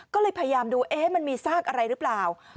ก็เลยพยายามดูเอ๊ะมันมีซากอะไรหรือเปล่า